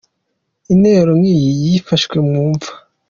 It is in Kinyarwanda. Intero nk’iyi nyifashe mwumva